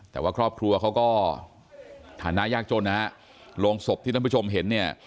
แต่ว่าครอบครัวเขาก็ฐานะยากจนนะฮะโรงศพที่ท่านผู้ชมเห็นเนี่ย